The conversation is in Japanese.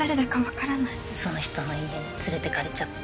その人の家に連れてかれちゃって。